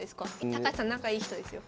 高橋さん仲いい人ですよ。